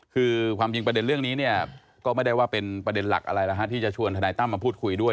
คือความจริงประเด็นเรื่องนี้เนี่ยก็ไม่ได้ว่าเป็นประเด็นหลักอะไรแล้วฮะที่จะชวนทนายตั้มมาพูดคุยด้วย